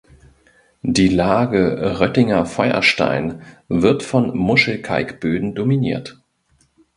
Die Lage Röttinger Feuerstein wird von Muschelkalkböden dominiert.